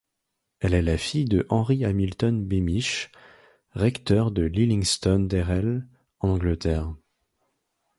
Elle est la fille de Henry Hamilton Beamish, recteur de Lillingston Dayrell en Angleterre.